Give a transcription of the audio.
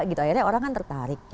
akhirnya orang kan tertarik